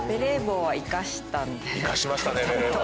生かしましたねベレー帽。